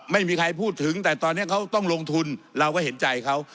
ไม่มีใครพูดถึงแต่ตอนนี้เขาต้องลงทุนเราก็เห็นใจเขา